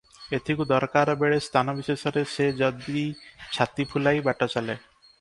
ଏଥିକୁ ଦରକାର ବେଳେ ସ୍ଥାନ ବିଶେଷରେ ସେ ଯଦି ଛାତି ଫୁଲାଇ ବାଟ ଚାଲେ